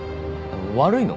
悪いの？